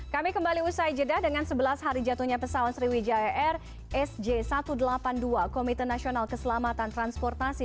kami kembali usai jeda dengan sebelas hari jatuhnya pesawat sriwijaya air sj satu ratus delapan puluh dua komite nasional keselamatan transportasi